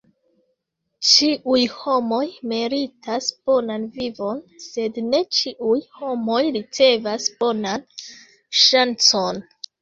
Ĉiuj homoj meritas bonan vivon, sed ne ĉiuj homoj ricevas bonan ŝancon.